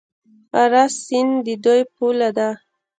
اراس سیند د دوی پوله ده.